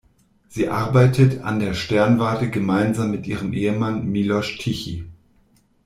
Sie arbeitet an der Sternwarte gemeinsam mit ihrem Ehemann Miloš Tichý.